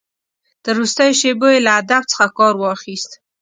تر وروستیو شېبو یې له ادب څخه کار واخیست.